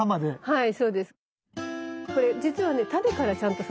はい。